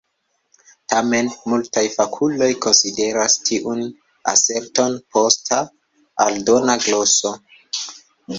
Tamen, multaj fakuloj konsideras tiun aserton posta aldona gloso.